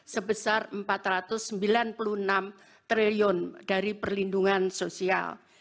sebesar rp empat ratus sembilan puluh enam triliun dari perlindungan sosial